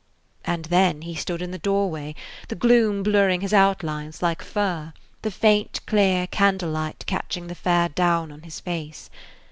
And then he stood in the doorway, the gloom blurring his outlines like fur, the faint, clear candle light catching the fair down on his face.